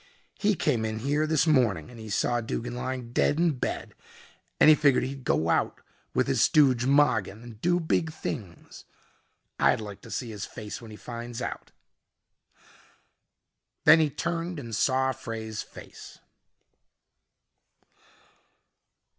He came in here this morning and he saw Duggin lying dead in bed and he figured he'd go out with his stooge Mogin and do big things. I'd like to see his face when he finds out " Then he turned and saw Frey's face.